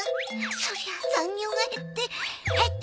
そりゃ残業が減って。